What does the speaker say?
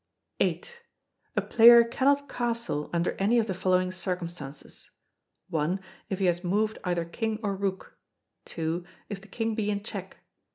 ] viii. A player cannot castle under any of the following circumstances: 1. If he has moved either King or Rook. 2. If the King be in check.